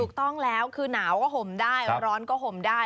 ถูกต้องแล้วคือหนาวก็ห่มได้ร้อนก็ห่มได้